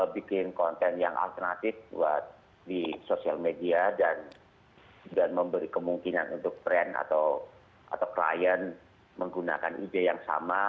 bikin konten yang alternatif buat di sosial media dan memberi kemungkinan untuk brand atau klien menggunakan ide yang sama